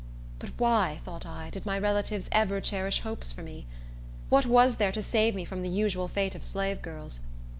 But why, thought I, did my relatives ever cherish hopes for me? What was there to save me from the usual fate of slave girls?